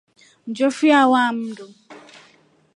Njofu yawaa mndu.